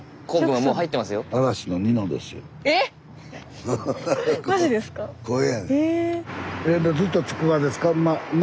はい。